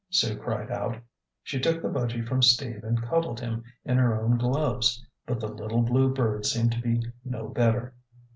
Sue cried out. She took the budgy from Steve and cuddled him in her own gloves. But the little blue bird seemed to be no better.